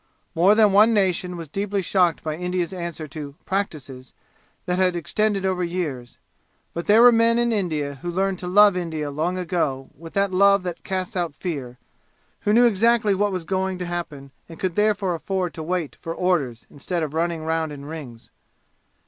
More than one nation was deeply shocked by India's answer to "practises" that had extended over years. But there were men in India who learned to love India long ago with that love that casts out fear, who knew exactly what was going to happen and could therefore afford to wait for orders instead of running round in rings.